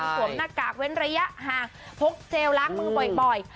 สวมหน้ากากเว้นระยะห่างพกเจลล้างมือบ่อย